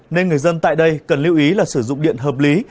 nên người dân tại đây cần lưu ý là sử dụng điện hợp lý